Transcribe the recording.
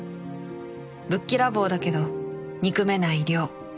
ぶっきらぼうだけど憎めない稜